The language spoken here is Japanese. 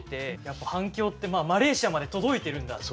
やっぱ反響ってマレーシアまで届いてるんだって。